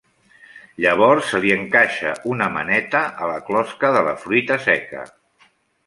Llavors se li encaixa una maneta a la closca de la fruita seca.